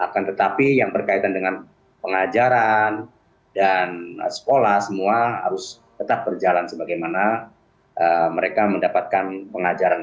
akan tetapi yang berkaitan dengan pengajaran dan sekolah semua harus tetap berjalan sebagaimana mereka mendapatkan pengajaran